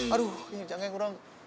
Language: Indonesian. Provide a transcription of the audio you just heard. aduh ini jangka yang kurang